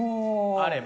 あれば。